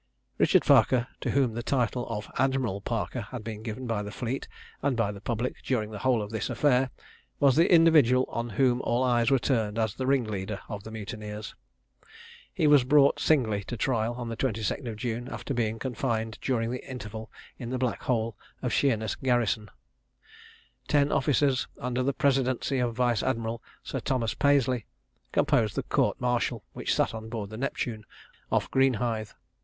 Richard Parker, to whom the title of Admiral Parker had been given by the fleet and by the public during the whole of this affair, was the individual on whom all eyes were turned as the ringleader of the mutineers. He was brought singly to trial on the 22d of June, after being confined during the interval in the black hole of Sheerness garrison. Ten officers, under the presidency of Vice Admiral Sir Thomas Paisley, composed the court martial, which sat on board the Neptune, off Greenhithe.